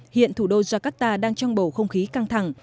hiện thủ đô jakarta đang trong bầu không khí căng thẳng